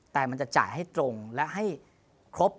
แต่มันจะจ่ายให้ตรงและให้ครบ